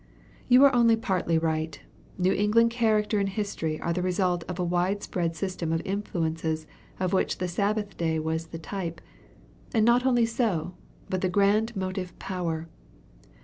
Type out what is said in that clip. "You are only partly right. New England character and history are the result of a wide spread system of influences of which the Sabbath day was the type and not only so, but the grand motive power.